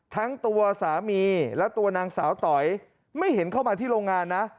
ทั้งตัวสามีและตัวนางสาวต๋อยไม่เห็นเข้ามาที่โรงงานนะ